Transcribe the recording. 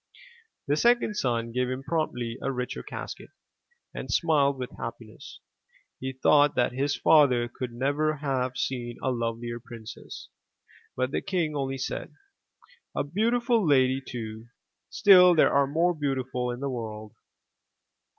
*' The second son gave him promptly a richer casket, and smiled with happiness. He thought that his father could never have seen a lovelier princess, but the king only said: "A beautiful lady too, still there are more beautiful in the world.